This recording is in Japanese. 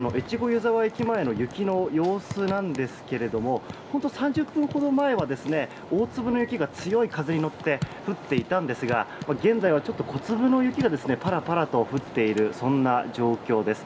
現在も越後湯沢駅前の雪の様子ですが、３０分ほど前は大粒の雪が強い風に乗って降っていたんですが現在は小粒の雪がパラパラと降っている状況です。